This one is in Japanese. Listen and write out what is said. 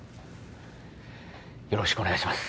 よろしくお願いします